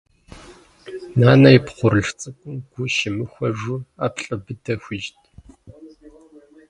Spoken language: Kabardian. Нанэ и пхъурылъху цӏыкӏум гу щимыхуэжу ӏэплӏэ быдэ хуищӏт.